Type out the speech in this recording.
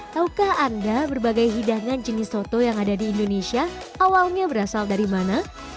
taukah anda berbagai hidangan jenis soto yang ada di indonesia awalnya berasal dari mana